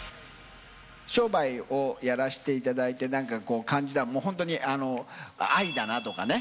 商売をやらせていただいて、なんかこう感じたのは、本当に愛だなとかね。